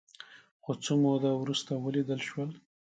خو څه موده وروسته ولیدل شول